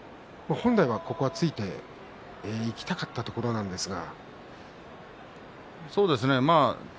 本来はついていきたかったところがあるんですが。